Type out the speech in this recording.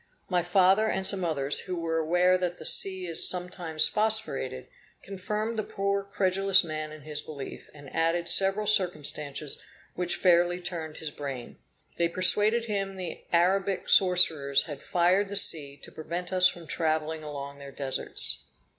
My father, and some others, who were aware that the sea is sometimes phosphorated, confirmed the poor credulous man in his belief, and added several circumstances which fairly turned his brain. They persuaded him the Arabic sorcerers had fired the sea to prevent us from travelling along their deserts.